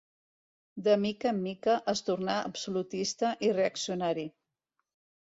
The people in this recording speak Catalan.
De mica en mica es tornà absolutista i reaccionari.